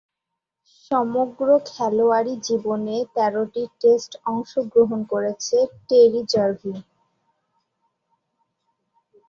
সমগ্র খেলোয়াড়ী জীবনে তেরোটি টেস্টে অংশগ্রহণ করেছেন টেরি জার্ভিস।